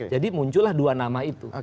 jadi muncullah dua nama itu